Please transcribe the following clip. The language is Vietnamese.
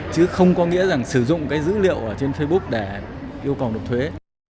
chứ không có nghĩa rằng sử dụng cái dữ liệu ở trên facebook để yêu cầu nộp thuế